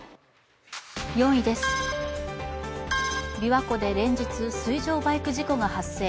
４位です、びわ湖で連日水上バイク事故が発生。